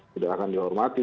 tidak akan dihormati